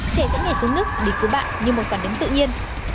trẻ sẽ nhảy xuống nước để cứu bạn như một quản đứng tự nhiên